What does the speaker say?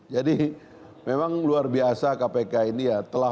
jadi memang luar biasa kpk ini ya